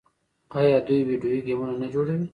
آیا دوی ویډیو ګیمونه نه جوړوي؟